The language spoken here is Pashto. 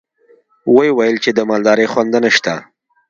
ويې ويل چې د مالدارۍ خونده نشته.